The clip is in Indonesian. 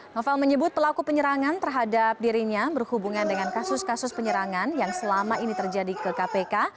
novel menyebut pelaku penyerangan terhadap dirinya berhubungan dengan kasus kasus penyerangan yang selama ini terjadi ke kpk